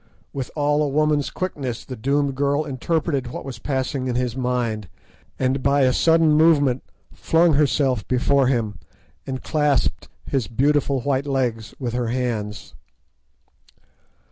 With all a woman's quickness, the doomed girl interpreted what was passing in his mind, and by a sudden movement flung herself before him, and clasped his "beautiful white legs" with her hands.